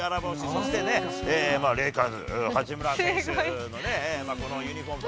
そしてね、レイカーズ、八村選手のこのユニホームと。